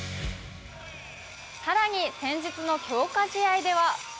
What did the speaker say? さらに先日の強化試合では。